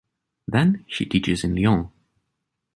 Then, she teaches in Lyon.